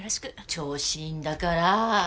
調子いいんだから。